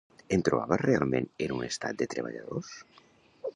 Em trobava realment en un Estat de treballadors